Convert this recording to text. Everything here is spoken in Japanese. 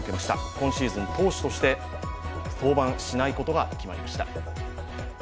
今シーズン投手として登板しないことが決まりました。